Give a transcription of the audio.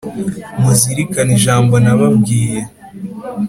Muzirikane ijambo nababwiye